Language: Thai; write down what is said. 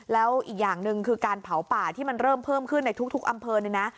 แล้วอีกอย่างหนึ่งคือการเผาป่าที่มันเริ่มเพิ่มขึ้นในทุกอำเภอเนี่ยนะ